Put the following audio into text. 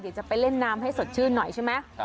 เดี๋ยวจะไปเล่นน้ำให้สดชื่นหน่อยใช่ไหม